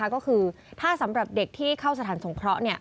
ก็คือถ้าสำหรับเด็กที่เข้าสถานสงเคราะห์